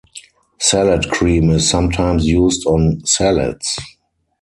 Salad cream is sometimes used on salads.